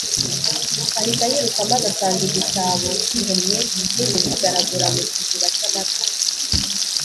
ahita yiruka, maze asanga igisabo gihennye n'ingurube yigaragura mu kiziba cy'amata.